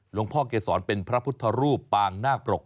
หลวงพ่อเกษรเป็นพระพุทธรูปปางนาคปรก